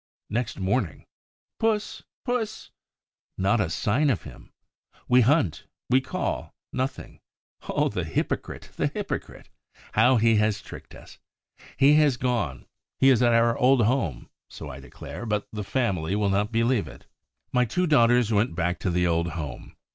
Next morning: "Puss! Puss!" Not a sign of him! We hunt, we call. Nothing. Oh, the hypocrite, the hypocrite! How he has tricked us! He has gone, he is at our old home. So I declare, but the family will not believe it. My two daughters went back to the old home.